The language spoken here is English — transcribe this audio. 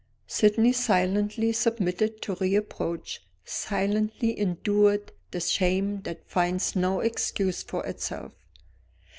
Sydney silently submitted to reproach, silently endured the shame that finds no excuse for itself.